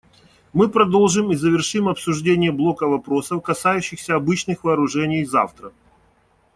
Мы продолжим и завершим обсуждение блока вопросов, касающихся обычных вооружений, завтра.